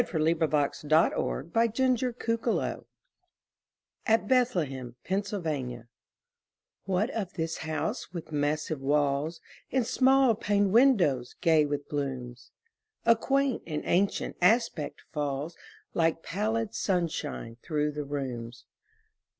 Sarah Orne Jewett The Widow's House (At Bethlehem, Pennsylvania) WHAT of this house with massive walls And small paned windows, gay with blooms? A quaint and ancient aspect falls Like pallid sunshine through the rooms.